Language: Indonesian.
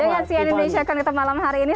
dengan sian indonesia connected malam hari ini